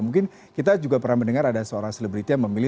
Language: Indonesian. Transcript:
mungkin kita juga pernah mendengar ada seorang selebriti yang memilih